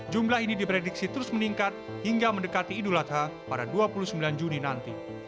jumlah ini diprediksi terus meningkat hingga mendekati idul adha pada dua puluh sembilan juni nanti